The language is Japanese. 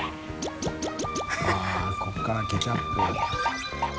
◆ここからケチャップ。